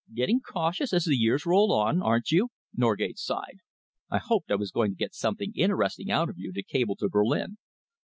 "Getting cautious as the years roll on, aren't you?" Norgate sighed. "I hoped I was going to get something interesting out of you to cable to Berlin."